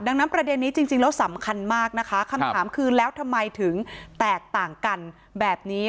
ดังนั้นประเด็นนี้จริงแล้วสำคัญมากนะคะคำถามคือแล้วทำไมถึงแตกต่างกันแบบนี้